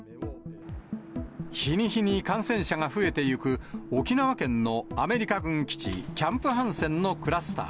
日に日に感染者が増えてゆく沖縄県のアメリカ軍基地、キャンプ・ハンセンのクラスター。